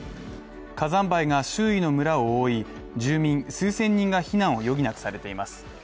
火山灰が周囲の村を覆い、住民数千人が避難を余儀なくされています。